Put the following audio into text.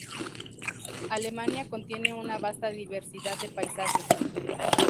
Alemania contiene una vasta diversidad de paisajes.